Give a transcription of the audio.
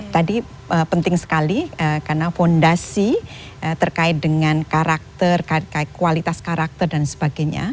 tadi penting sekali karena fondasi terkait dengan karakter kualitas karakter dan sebagainya